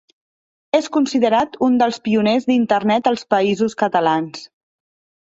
És considerat un dels pioners d'Internet als Països Catalans.